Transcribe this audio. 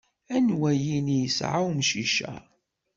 Anwa yini isεa umcic-a?